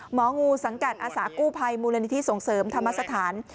หมองูสังกัดอาสากู้ภัยมูลนิธิส่งเสริมธรรมสถาน